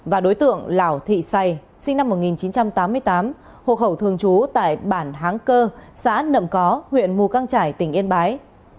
và đối tượng lảo thị say sinh năm một nghìn chín trăm tám mươi tám hộ khẩu thường trú tại bản háng cơ xã nậm có huyện mù căng trải tỉnh yên bái